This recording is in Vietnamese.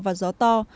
và gió to